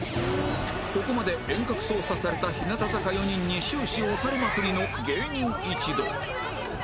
ここまで遠隔操作された日向坂４人に終始押されまくりの芸人一同